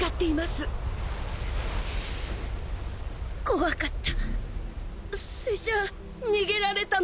怖かった。